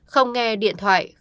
không nghe điện thoại của tp hcm